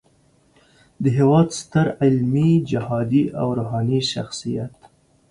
د هیواد ستر علمي، جهادي او روحاني شخصیت